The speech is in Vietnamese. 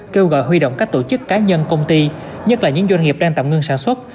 kêu gọi huy động các tổ chức cá nhân công ty nhất là những doanh nghiệp đang tạm ngưng sản xuất